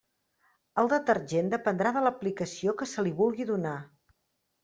El detergent dependrà de l'aplicació que se li vulgui donar.